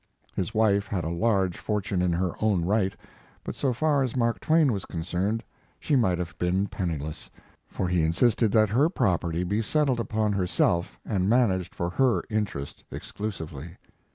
His wife had a large fortune in her own right, but so far as Mark Twain was concerned she might have been penniless, for he in sisted that her property be settled upon herself and managed for her interest ex clusively.